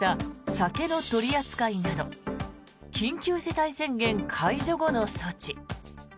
酒の取り扱いなど緊急事態宣言解除後の措置。